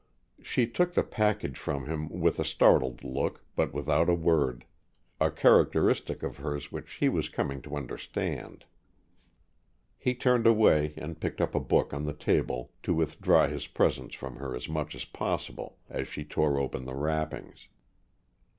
She took the package from him with a startled look but without a word, a characteristic of hers which he was coming to understand. He turned away and picked up a book on the table, to withdraw his presence from her as much as possible, as she tore open the wrappings.